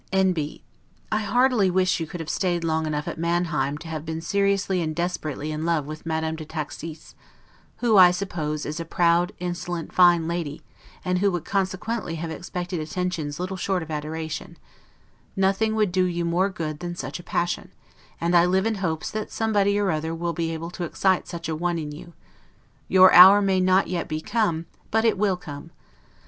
N. B. I heartily wish you could have stayed long enough at Manheim to have been seriously and desperately in love with Madame de Taxis; who, I suppose, is a proud, insolent, fine lady, and who would consequently have expected attentions little short of adoration: nothing would do you more good than such a passion; and I live in hopes that somebody or other will be able to excite such an one in you; your hour may not yet be come, but it will come.